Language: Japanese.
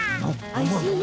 おいしい？